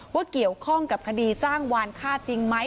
ว่าเกี่ยวข้องกับคดีจ้างวานฆ่าจริงไหม